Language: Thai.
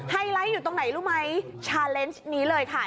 ไลท์อยู่ตรงไหนรู้ไหมชาเลนส์นี้เลยค่ะ